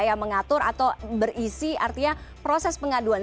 yang mengatur atau berisi artinya proses pengaduan